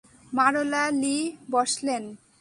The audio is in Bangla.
মারলা লি বসলেন।